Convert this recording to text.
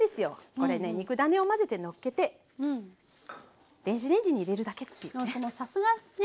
これね肉ダネを混ぜてのっけて電子レンジに入れるだけっていうね。